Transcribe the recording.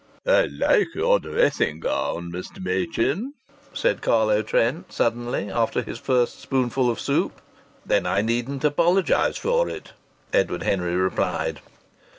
"I like your dressing gown, Mr. Machin," said Carlo Trent, suddenly, after his first spoonful of soup. "Then I needn't apologize for it!" Edward Henry replied.